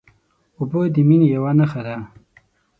اوبه د مینې یوه نښه ده.